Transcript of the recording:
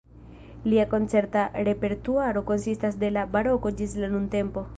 Lia koncerta repertuaro konsistas de la baroko ĝis la nuntempo.